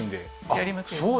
やりますよあっ